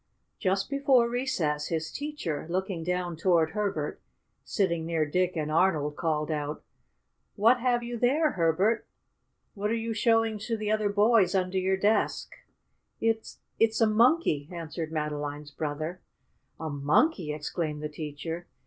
Just before recess, his teacher, looking down toward Herbert, sitting near Dick and Arnold, called out: "What have you there, Herbert? What are you showing to the other boys under your desk?" "It it's a Monkey!" answered Madeline's brother. "A monkey!" exclaimed the teacher.